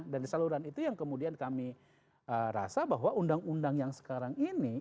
dan saluran itu yang kemudian kami rasa bahwa undang undang yang sekarang ini